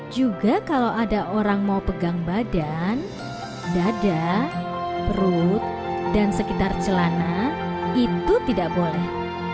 juga kalau ada orang mau pegang badan dada perut dan sekitar celana itu tidak boleh